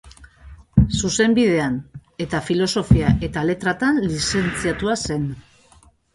Zuzenbidean eta filosofia eta letratan lizentziatua zen.